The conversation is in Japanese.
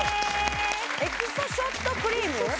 エクソショットクリーム？